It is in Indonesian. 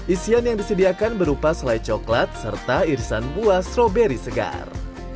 isian yang disediakan berupa selai coklat serta irisan buah stroberi segar